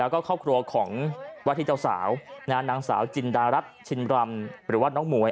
แล้วก็ครอบครัวของวาธิเจ้าสาวนางสาวจินดารัฐชินรำหรือว่าน้องหมวย